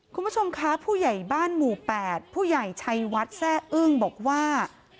คุณผู้ชมคะผู้ใหญ่บ้านหมู่๘ผู้ใหญ่ชัยวัดแซ่อึ้งบอกว่า